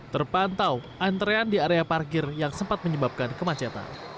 terpantau antrean di area parkir yang sempat menyebabkan kemacetan